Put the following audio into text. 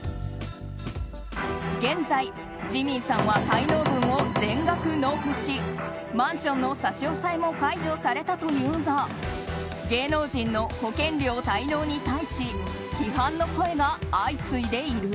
現在、ジミンさんは滞納分を全額納付しマンションの差し押さえも解除されたというが芸能人の保険料滞納に対し批判の声が相次いでいる。